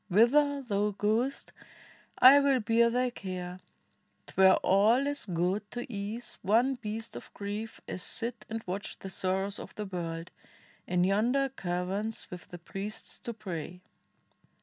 Whither thou goest I will bear thy care; 'T were all as good to ease one beast of grief As sit and watch the sorrows of the world In yonder caverns with the priests who pray."